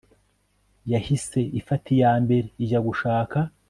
yahise ifata iyambere ijya gushaka